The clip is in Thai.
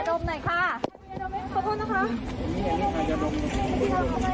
ดับนึงนะข้าพี่อันนมีไร